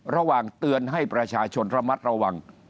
ระหว่างเตือนให้ประชาชนระมัดระวัง